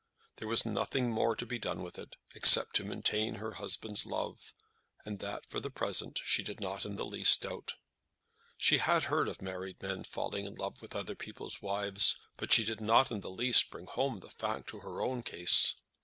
There was nothing more to be done with it, except to maintain her husband's love, and that, for the present, she did not in the least doubt. She had heard of married men falling in love with other people's wives, but she did not in the least bring home the fact to her own case.